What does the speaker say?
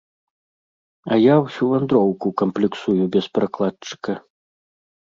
А я ўсю вандроўку камплексую без перакладчыка.